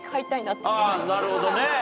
なるほどね。